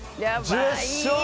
１０勝。